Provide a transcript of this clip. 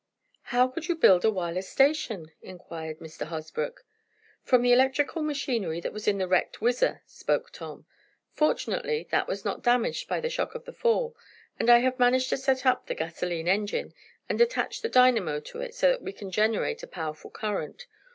"How could you build a wireless station?" inquired Mr. Hosbrook. "From the electrical machinery that was in the wrecked WHIZZER," spoke Tom. "Fortunately, that was not damaged by the shock of the fall, and I have managed to set up the gasolene engine, and attach the dynamo to it so that we can generate a powerful current.